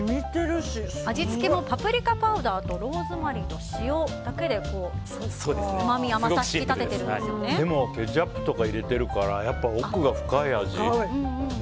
味付けもパプリカパウダーとローズマリーと塩だけでうまみ、甘さをでもケチャップとか入れてるから奥が深い味。